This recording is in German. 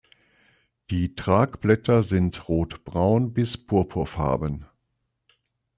Die Tragblätter sind rotbraun bis purpurfarben.